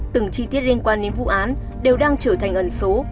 từng chi tiết liên quan đến vụ án đều đang trở thành ẩn số